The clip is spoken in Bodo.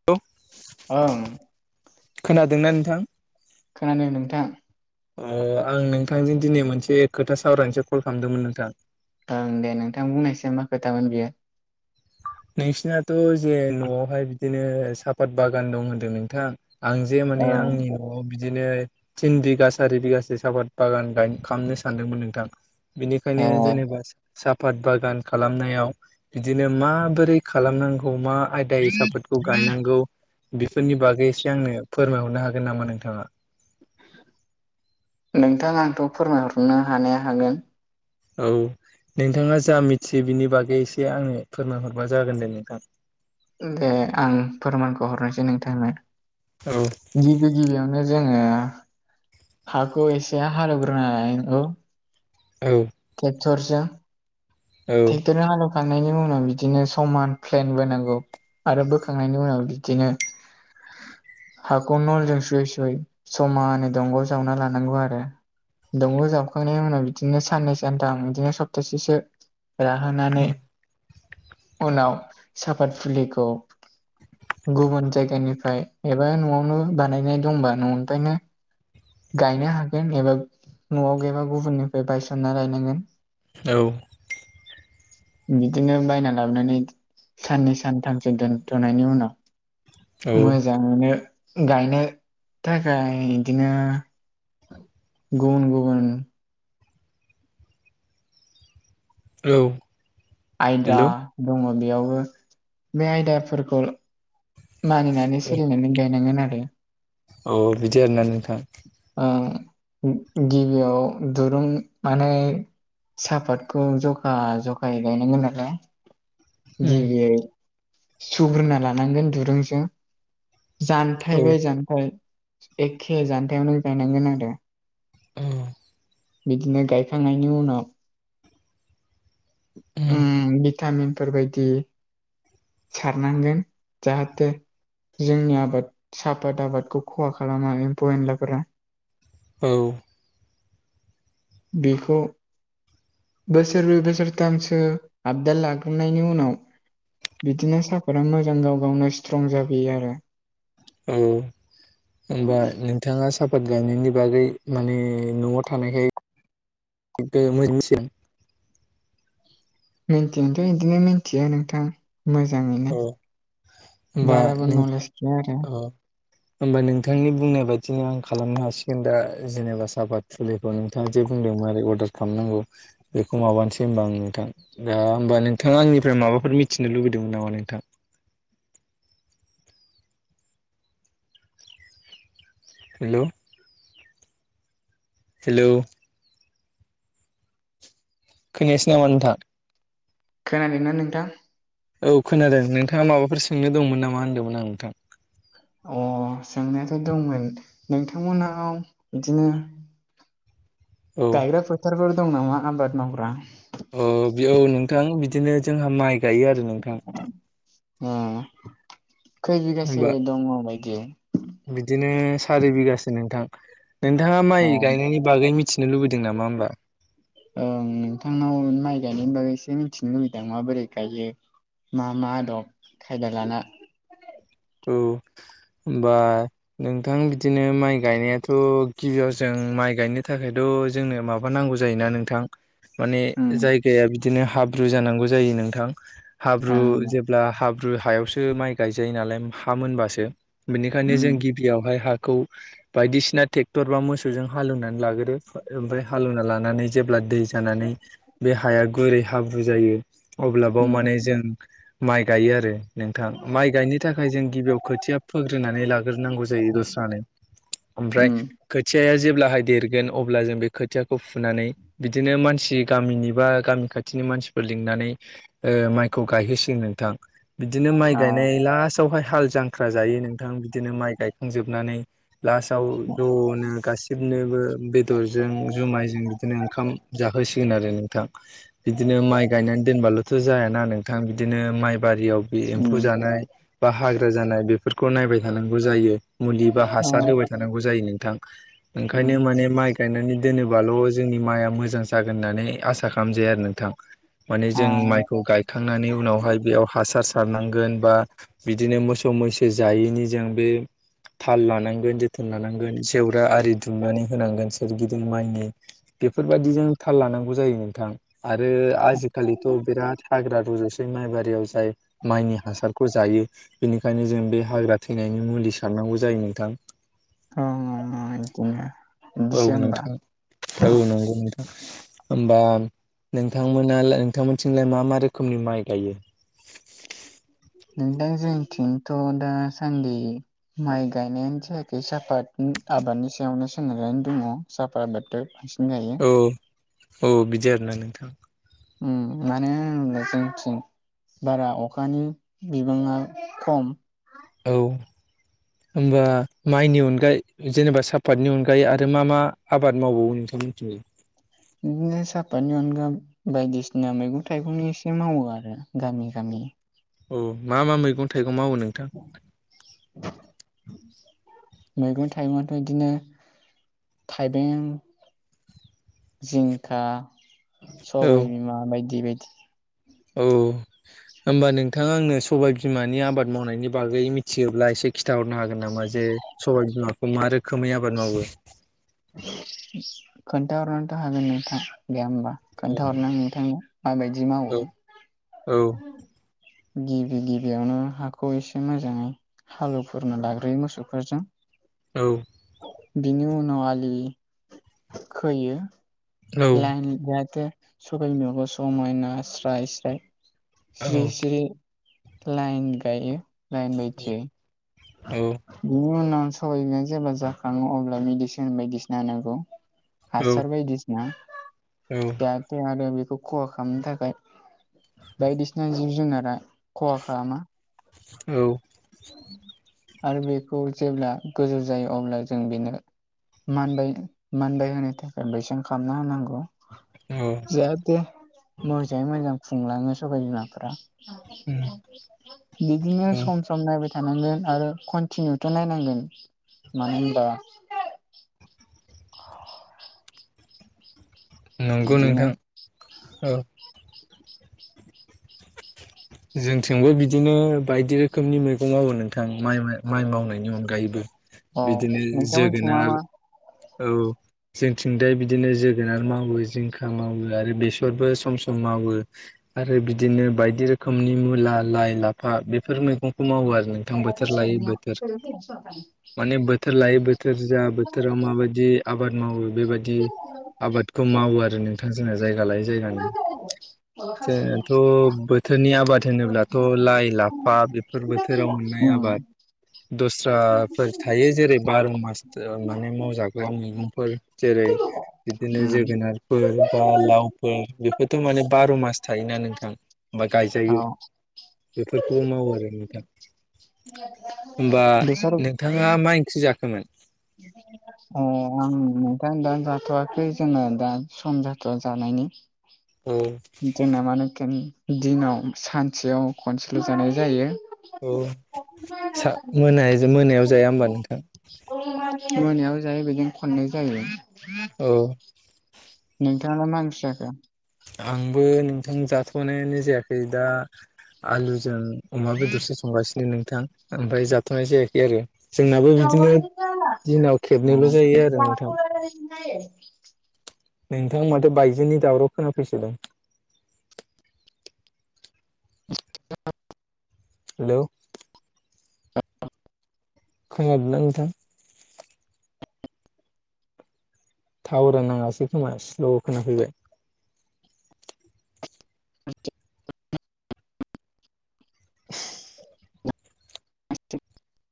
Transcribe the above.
[unintelligible] ओं खोनादोंना नोंथां खोनादों नोंथां अ आं नोंथांजों दिनै मोनसे खोथा सावरायनोसो कल खालामदोंमोन नोंथां ओं दे नोंथां बुंनायसाय मा खोथामोन बियो नोंसिनाथ' जे न'आवहाय बिदिनो साफात बागान दं होन्दों नोंथां आं जे माने ओं आंनि अ बिदिनो थिन बिगा सारि बिगासो साफात बागान गाय खामनो सानदोंमोन नोंथां ए बिनिखायनो जेनेबा साफात बागान खालामनायाव बिदिनो मा बोरै खालामनांगौ मा आयदायै साफातखौ गायनांगौ बेफोरनि बागै एसे आंनो फोरमायहरनो हागोन नामा नोंथाङा नोंथां आंथ' फोरमायहरनो हानाया हागोन औ नोंथाङा जा मिथियो बिनि बागै एसे आंनो फोरमायहरबा जागोन दे नोंथां दे आं फोरमानखौ हरनोसै नोंथांनो औ गिबि गिबियावनो जोङो हाखौ एसे हालेवग्रोनानै [unintelligible] औ टेक्टरजों औ टेक्टर हालौवखांनायनि उनाव बिदिनो समान प्लेन बोनांगौ आरो बोखांनायनि उनाव बिदिनो हाखौ नलजों सुयै सुयै समानै दंग' जावना लानांगौ आरो दंग' जाबखांनायनि उनाव बिदिनो साननै सानथाम बिदिनो सप्तासेसो राहोनानै उनाव साफात फुलिखौ गुबुन जायगानिफ्राय एबा न'आवनो बानायनाय दंबा न'निफायनो गायनो हागोन एबा न'आव गैयबा गुबुननिफ्राय बायसनना लायनांगोन औ बिदिनो बायना लाबोनानै साननै सानथामसो दोनथ'नायनि उनाव औ मोजाङैनो गायनो थाखाय इदिनो गुबुन गुबुन औ आयदा हेल' दङ बेयावबो बे आयदाफोरखौ मानिनानै सोलिनानै गायनांगोन आरो औ बिदि आरोना नोंथां ओ गिबियाव दुरुं माने सापातखौ जखा जखायै गायनांगोन नालाय गिबियै सुग्रोना लानांगोन दुरुंजों जानथाय औ बाय जानथाय एखे जानथाइयावनो गायनांगोन आरो बिदिनो गायखांनायनि उनाव ओम भिटामिन बेफोरबायदि सारनांगोन जाहाथे जोंनि आबाद साफात आबादखौ खहा खालामा एम्फौ एनलाफोरा औ बेखौ बोसोरब्रै बोसोरथामसो आबदाल लाग्रोनायनि उनाव बिदिनो साफादा मोजां गाव गावनो स्ट्रं जाबोयो आरो ओ होनबा नोंथाङा सापात गायनायनि बागै माने न'आव थानायखाय [unintelligible] मिनथिनोथ' बिदिनो मिनथियो नोंथां मोजाङैनो होमबा बाराबो नोंथां नलेस गैया आरो अ होमबा नोंथांनि बुंनाय बादिनो आं खालामनो हासिगोन दा जेनेबा साबाद फुलिखौ नोंथाङा जे बुंदों मारै अर्दार खालामनांगौ बेखौ माबानसै होनबा आं नोंथां दा होमबा नोंथाङा आंनिफ्राय माबाफोर मिथिनो लुुबैदोंमोन नामालाय नोंथां हेल' हेलौ खोनायासै नामा नोंथां खोनादोंना नोंथां औ खोनादों नोंथाङा माबाफोर सोंनो दंमोन नामा होन्दोंमोन आं नोंथां अ सोंनायाथ' दंमोन नोंथांमोनाव बिदिनो औ गायग्रा फोथारफोर दं नामा आबाद मावग्रा अ बियाव नोंथां बिदिनो जोंहा माइ गायो आरो नोंथां ओ खै बिगासो होमबा दङ बायदि बिदिनो सारि बिगासो नोंथां नोंथाङा अ माइ गायनायनि बागै मिथिनो लुबैदों नामा होनोमबा ओं नोंथांनाव माइ गायनायनि बागै एसे मिथिनो लुगैदों माबोरै गायो मा मा आदब खायदा लाना औ होनबा नोंथां बिदि बिदिनो माइ गायनायाथ' गिबियाव जों माइ गायनो थाखायथ' जोंनो माबा नांगौ जायोना नोंथां माने उम जायगाया बिदिनो हाब्रु जानांगौ जायो नोंथां हाब्रु उम जेब्ला हाब्रु हायावसो माइ गायजायो नालाय हा मोनबासो बिनिखायनो उम जों गिबियावहाय हाखौ बायदिसिना टेक्टर बा मोसौजों हालेवनानै लागोरो ओमफ्राय हालेवना लानानै जेब्ला दै जानानै बे हाया गुरै हाब्रु जायो अब्ला बाव उम माने जों माइ गायो आरो नोंथां माइ गायनो था खाय जों गिबियाव खोथिया फोग्रोनानै लाग्रोनांगौ जायो दस्रानो। ओमफ्राय उम खोथियाया जेब्लाहाय देरगोन अब्ला जों बे खोथिया खौ फुनानै बिदिनो मानसि गामिनि बा गामि खाथिनि मानसिफोर लिंनानै ओ माइखौ गायहोसिग नोंथां। बिदिनो माइ अ गायनाय लास्टावहाय हाल जांख्रा जायो नों थां बिदिनो माइ गायखांजोबनानै लास्टाव ज'नो गासिबनोबो बेदरजों जुमायजों बिदिनो ओंखाम जाहोसिगोन आरो नोंथां। बिदिनो माइ गायनानै दोनबाल'थ' जायाना नोंथां बिदिनो माइ बारियाव बे एम्फौ उम जानाय बा हाग्रा जानाय बेफोरखौ नायबाय थानांगौ जायो। मुलि बा हासार अ होबाय थानांगौ जायो नोंथां। उम ओंखायनो माने माइ गायनानै दोनोबाल' जोंनि माइआ मोजां जागोन होननानै आसा सा खालामजाया आरो नोंथां। माने अ जों माइखौ गाय खांनानै उनावहाय बेयाव हासार सारनांगोन बा बिदिनो मोसौ मैसो जायैनि जों बे थाल लानांगोन जोथोन लानांगोन जेवरा आरि दुमनानै होनांगोन सोरगिदिं माइनि। बेफोरबायदिजों थाल लानांगौ जायो नोंथां। आरो आजिखालिथ' बिराद हाग्रा रुजस बै माइ बारियाव जाय माइनि हासारखौ जायो बेनिखायनो जों बे हाग्रा थैनायनि मुलि सारनांगौ जायो नोंथां। ओं ओं ओं बिदिनो। औ बिदिसो होमबा नोंथां औ नंगौ नोंथां। होमबा नोंथांमोना ला नोंथांमोनथिंलाय मा मा रोखोमनि माइ गायो? नों दां जोंथिंथ' दा सान्दि माइ गायनायानो जायाखै साफात आबादनि सायावनो सोनारनानै दङ। साफा बाथो बांसिन जायो। औ औ बिदि आरोना नोंथां। उम मानेहोनोबा जोंथिं बारा अखानि बिबाङा खम। औ होमबा माइनि अनगायै जेनेबा सापातनि अनगायै आरो मा मा आबाद मावबावो नोंथां मोनथिंयै? बिदिनो सापातनि अनगा बायदिसिना मैगं थाइगं एसे मावो आरो गामि गामि। औ मा मा मैगं थाइगं मावो नोंथां? [inaudible] मैगं थाइगंआथ' बिदिनो थाइबें जिंखा औ सबायबिमा बायदि बायदि। औ होमबा नोंथाङा आंनो सबाय बिमानि आबाद मावनायनि बागै मिथियोब्ला एसे खिन्थाहरनो हागोन नामा जे सबाइ बिमाखौ मा रोखोमै आबाद मावो? खोन्थाहरनोथ' हागोन नोंथां दे होमबा औ खोन्थाहरनो नोंथांनो माबायदि मावो। औ गिबि गिबियावनो हाखौ एसे मोजाङै हालौवफोरनो लाग्रोयो मोसौफोरजों। औ बिनि उनाव आलि खोयो लाइन जाहाथे सबायबिमाखौ समायना स्राय स्राय औ सिरि सिरि लाइन गायो लाइन बायथियै। औ बिनि उनाव सबायबिमा‌या जेब्ला जाखाङो अब्ला मेडिसिन बायदिसिना होनांगौ औ हासार बायदिसिना दा नङाबा बेखौ खहा खामनो थाखाय बायदिसिना जिब जुनारा खहा खालामा औ आरो बेखौ जेब्ला गोजौ जायो अब्ला जों बेनो मानबायपो मानबायहोनो थाखाय बैसां खालामना होनांगौ औ जाहाथे मोजाङै मोजां खुंलाङो सबायबिमाफोरा बिदिनो सम सम नायबाय था नांगोन आरो कन्टिनिउथ' नायनांगोन मानो होनबा [unintelligible] नंगौ बिदिनो नोंथां ओ [unintelligible] जोंथिंबो बिदिनो बायदि रोखोमनि मैगं मावो नोंथां माइ माइ मावनायनि अनगायैबो अ बिदिनो नोंथांमोनथिं मा जोगोनार मा औ जोंथिंदाय बिदिनो जोगोनार मावो जिंखा मावो आरो बेसरबो सम सम मावो आरो बिदिनो बायदि रोखोमनि मुला लाइ लाफा बेफोर मैगंखौ मावो आरो नोंथां बोथोर लायै बोथोर माने बोथोर लायै बोथोर जा बोथोराव मा बिदि आबाद मावो बेबादि आबादखौ मावो आरो नोंथां जोंना जायगा लायै जायो आरो जोंनाथ' बोथोरनि आबाद होनोब्लाथ' लाइ लाफा बेफोर बोथोराव मोननाय उम आबाद दस्राफोर थायो जेरै बार' मास माने मावजाग्रा मैगंफोर जेरै बिदिनो उम जोगोनारफोर बा लावफोर बेथ' माने बार' मास थायोना नोंथां होमबा गायजायो औ बेफोरखौबो मावो आरो नोंथां होमबा बेसोर नोंथाङा मा इं ख्रि जाखोमोन? अ आं नोंथां दा जा जाथ'वाखै जोंना दा सम जाथ'आ जानायनि औ जोंना मानोबाथाय दिनाव सानसेयाव खनसेल' जानाय जायो औ सान मोना-मोनायाव जाया होमबा नोंथां मोनायाव जायो बेजों खननै जायो औ नोंथाङा मा ओंख्रि जाखो आंबो नोंथां जाथ'नायानो जायाखै दा आलुजों अमा बेदरसो संगासिनो नोंथां आमफ्राय जाथ'नाय जायाखै आरो जोंनाबो बिदिनो दिनाव खेबनैल' जायो आरो नोंथां [unintelligible] नोंथां माथो बायजोनि दावराव खोनाफैसोदों [unintelligible] हेलौ खोनादोंना नोंथां टावारा नाङासै खोमा स्ल' खोनाफैबाय [unintelligible] [unintelligible] [unintelligible]